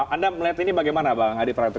anda melihat ini bagaimana bang adi praetno